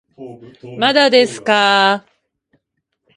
まだですかー